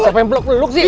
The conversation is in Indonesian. siapa yang peluk peluk sih